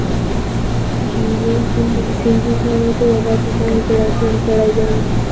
د ژوند ټولو ستونزو ته مې په یووازې ځان زړه ټینګ کړی دی.